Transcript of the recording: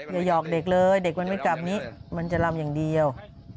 อย่าหยอกเด็กเลยเด็กมันไม่กลับนี้มันจะลำอย่างเดียว